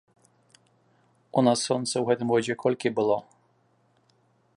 У нас сонца ў гэтым годзе колькі было?